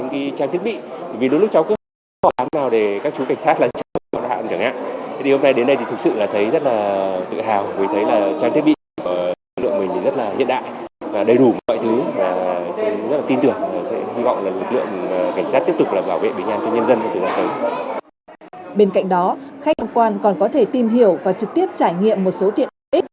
khách đồng quan còn có thể tìm hiểu và trực tiếp trải nghiệm một số tiện ít